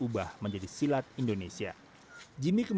dan juga olimpiade